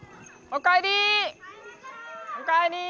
おかえり！